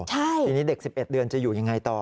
ทีนี้เด็ก๑๑เดือนจะอยู่ยังไงต่อ